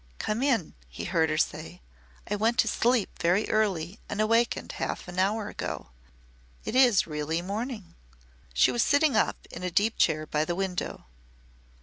"Come in," he heard her say. "I went to sleep very early and awakened half an hour ago. It is really morning." She was sitting up in a deep chair by the window.